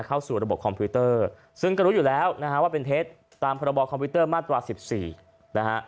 เข้าสู่ระบบคอมพิวเตอร์ซึ่งก็รู้อยู่แล้วนะฮะว่าเป็นเท็จตามพรบคอมพิวเตอร์มาตรา๑๔นะฮะ